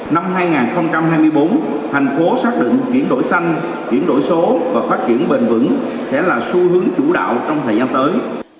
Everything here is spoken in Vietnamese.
năm hai nghìn hai mươi bốn thành phố xác định chuyển đổi xanh chuyển đổi số và phát triển bền vững sẽ là xu hướng chủ đạo trong thời gian tới